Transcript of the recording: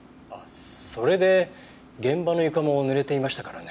それで現場の床も濡れていましたからね。